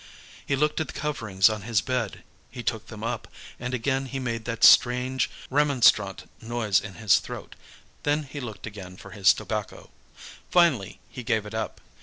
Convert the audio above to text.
He looked at the coverings on his bed; he took them up, and again he made that strange remonstrant noise in his throat. Then he looked again for his tobacco. Finally he gave it up.